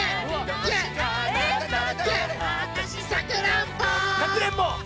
「さくらんぼ」